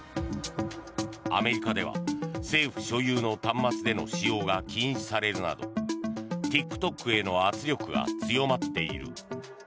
アメリカでは政府所有の端末での使用が禁止されるなどＴｉｋＴｏｋへの圧力が強まっている。